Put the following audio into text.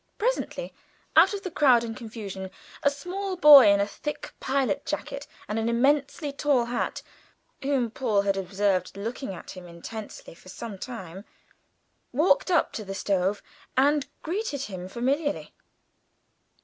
Presently, out of the crowd and confusion, a small boy in a thick pilot jacket and an immensely tall hat, whom Paul had observed looking at him intently for some time, walked up to the stove and greeted him familiarly.